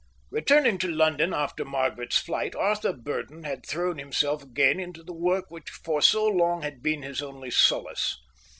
Returning to London after Margaret's flight, Arthur Burdon had thrown himself again into the work which for so long had been his only solace.